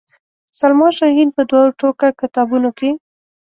سلما شاهین په دوو ټوکه کتابونو کې.